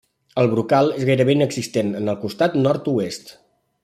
El brocal és gairebé inexistent en el costat nord-oest.